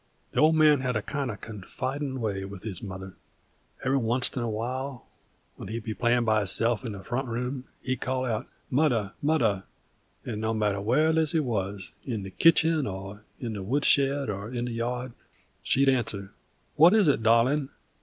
The Old Man had a kind of confidin' way with his mother. Every oncet in a while, when he'd be playin' by hisself in the front room, he'd call out, "Mudder, mudder;" and no matter where Lizzie wuz, in the kitchen, or in the wood shed, or in the yard, she'd answer: "What is it, darlin'?"